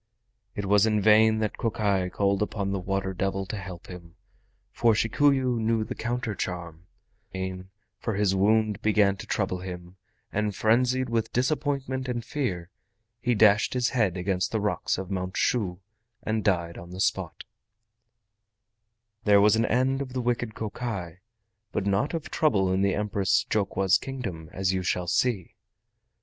It was in vain that Kokai called upon the Water Devil to help him, for Shikuyu knew the counter charm. The wizard found that the battle was against him. Mad with pain, for his wound began to trouble him, and frenzied with disappointment and fear, he dashed his head against the rocks of Mount Shu and died on the spot. There was an end of the wicked Kokai, but not of trouble in the Empress Jokwa's Kingdom, as you shall see.